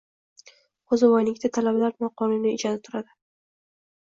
Qo`zivoynikida talabalar noqonuniy ijarada turadi